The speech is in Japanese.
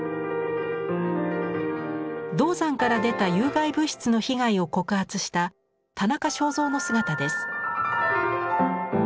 銅山から出た有害物質の被害を告発した田中正造の姿です。